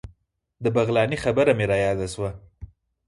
د بغلاني خبره مې رایاده شوه.